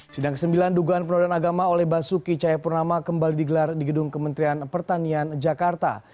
sidang ke sembilan dugaan penodaan agama oleh basuki cahayapurnama kembali digelar di gedung kementerian pertanian jakarta